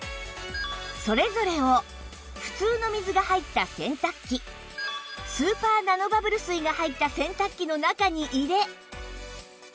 それぞれを普通の水が入った洗濯機スーパーナノバブル水が入った洗濯機の中に入れ